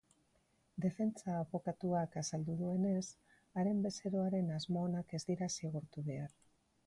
Defentsa abokatuak azaldu duenez, haren bezeroaren asmo onak ez dira zigortu behar.